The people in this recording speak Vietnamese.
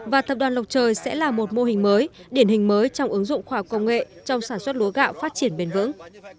và tập đoàn lộc trời sẽ là một mô hình mới điển hình mới trong ứng dụng khoa học công nghệ trong sản xuất lúa gạo phát triển bền vững